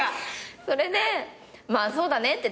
それでまあそうだねって。